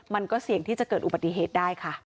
มันก็เสี่ยงที่จะเกิดอุบัติเหตุได้ค่ะ